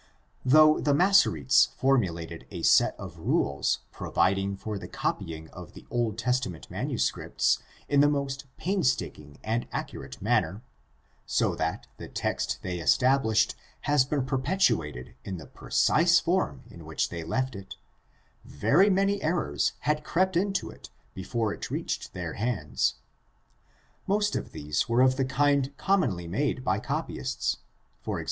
Though the Massoretes formulated a set of rules providing for the copying of the Old Testament manuscripts in the most painstaking and accurate manner, so that the text they established has been perpetuated in the precise form in which they left it, very many errors had crept into it before it OLD TESTAMENT AND RELIGION OF ISRAEL 93 reached their hands. Most of these were of the kind com monly made by copyists; e.g.